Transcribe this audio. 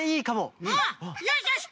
よしよし